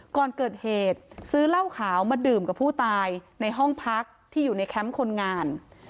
ก่อนเกิดเหตุซื้อเหล้าขาวมาดื่มกับผู้ตายในห้องพักที่อยู่ในแคมป์คนงาน